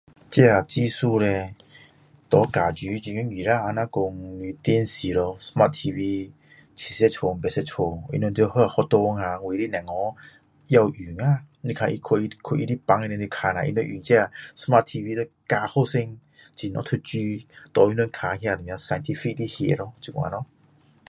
这个技术叻给教书很容易啦比如说那个电视 smart tv 70寸80寸他们在学校呀有的小孩也有用呀你去他班里面你去看下他们用这个 smart tv 叫学生怎样读书给他们看 scientific 的戏这样咯